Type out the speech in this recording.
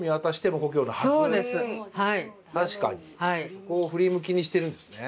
そこを「ふり向き」にしてるんですね。